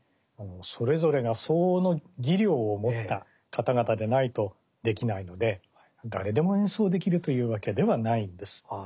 それぞれが相応の技量を持った方々でないとできないので誰でも演奏できるというわけではないんです。